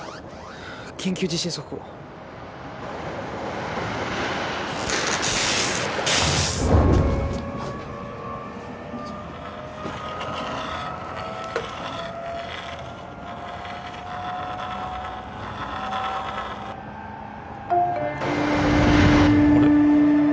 緊急地震速報あれ？